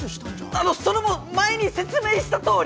あのそれも前に説明したとおり。